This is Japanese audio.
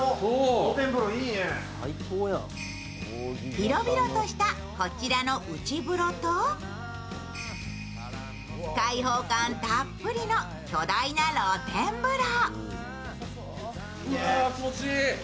広々とした、こちらの内風呂と開放感たっぷりの巨大な露天風呂。